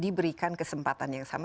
diberikan kesempatan yang sama